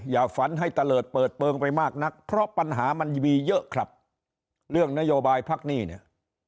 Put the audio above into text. ฝันให้ตะเลิศเปิดเปลืองไปมากนักเพราะปัญหามันมีเยอะครับเรื่องนโยบายพักหนี้เนี่ย